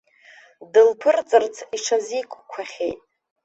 Дылԥырҵырц иҽазикқәахьеит.